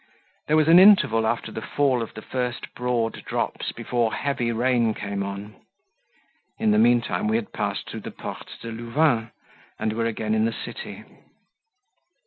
There was an interval after the fall of the first broad drops before heavy rain came on; in the meantime we had passed through the Porte de Louvain, and were again in the city.